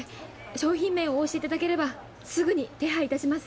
商品名をお教えいただければすぐに手配いたします。